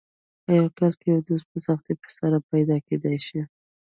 په یو کال کې یو دوست په سختۍ سره پیدا کېدای شي.